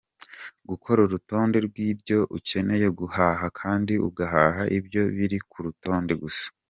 Gukora urutonde rw’ibyo ukeneye guhaha kandi ugahaha Ibyo biri ku rutonde gusa.